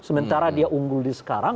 sementara dia unggul di sekarang